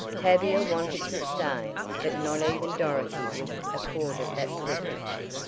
Tavia wanted to stay, but not even Dorothy was accorded that privilege.